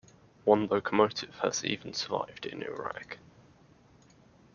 One locomotive has even survived in Iraq.